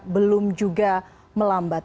belum juga melambat